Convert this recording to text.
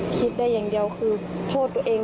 คิดได้อย่างเดียวคือโทษตัวเอง